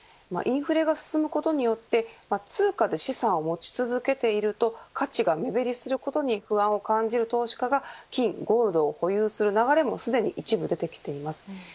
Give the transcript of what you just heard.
インフレが進むことによって通貨で資産を持ち続けていると価値が目減りすることに不安を感じる投資家が金、ゴールドを保有する流れもすでに一部で出てきています。